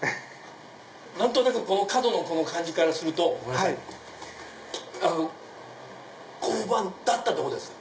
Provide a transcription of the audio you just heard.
何となくこの角の感じからするとあの交番だったとこですか？